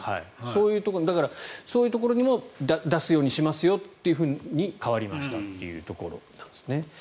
そういうところにも出すようにしますよと変わりましたというところなんですね。